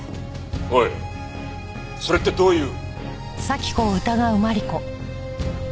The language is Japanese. おいそれってどういう。